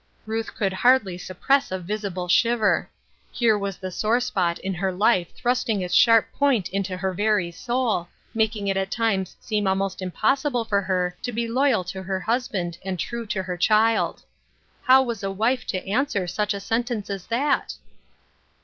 Ruth could hardly suppress a visible shiver. Here was the sore spot in her life thrusting its sharp point into her very soul, making it at times seem almost impossible for her to be loyal to her husband and true to her child. How was a wife to answer such a sentence as that